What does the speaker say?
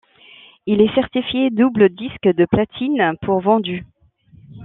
Il est certifié double disque de platine pour vendus.